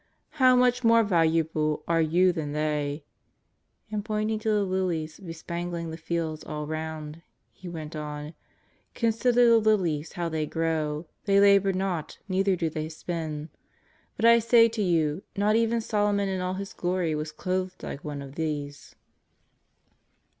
How much more valuable are you than they." And pointing to the lilies be spangling the fields all round. He went on :^' Con sider the lilies how they grow ; they labour not, neither do they spin. But I say to you, not even Solomon in all his glory was clothed like one of these."